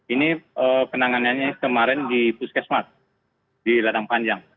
ini penanganannya kemarin di puskesmas di ladang panjang